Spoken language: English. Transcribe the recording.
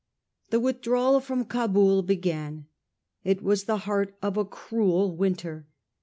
The withdrawal from Cabul began. It was the heart of a cruel winter.